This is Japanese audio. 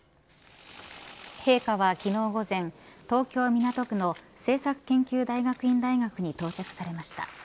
陛下は昨日午前東京、港区の政策研究大学院大学に到着されました。